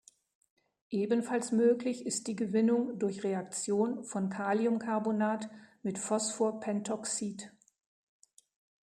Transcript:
Ebenfalls möglich ist die Gewinnung durch Reaktion von Kaliumcarbonat mit Phosphorpentoxid.